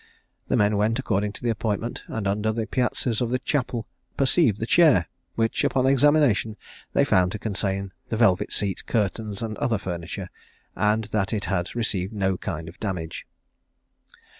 The men went according to the appointment, and under the piazzas of the chapel perceived the chair, which upon examination they found to contain the velvet seat, curtains, and other furniture, and that it had received no kind of damage.